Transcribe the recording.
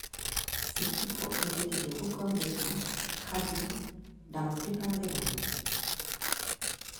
Ses livres ont été des records de ventes, traduits dans la plupart des langues.